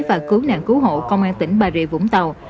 và cứu nạn cứu hộ công an tỉnh bà rịa vũng tàu